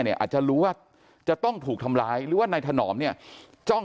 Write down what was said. อาจจะรู้ว่าจะต้องถูกทำร้ายหรือว่านายถนอมเนี่ยจ้อง